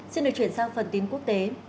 xin được chuyển sang phần tin quốc tế